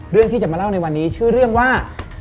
เรื่องที่จะมาเล่าในวันนี้ชื่อเรื่องว่า